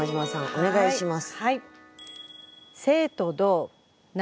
お願いします。